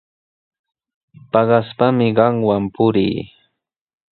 Paqaspami qamwan purii.